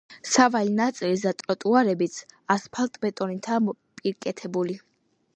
სავალი ნაწილიც და ტროტუარებიც ასფალტ-ბეტონითაა მოპირკეთებული.